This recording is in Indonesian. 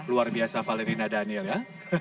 luar biasa valerina daniel ya